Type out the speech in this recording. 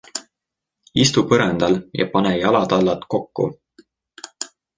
Istu põrandal ja pane jalatallad kokku.